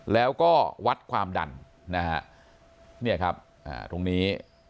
แล้วก็วัดความดันนะฮะเนี่ยครับอ่าตรงนี้